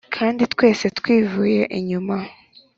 kandi twese twivuye inyuma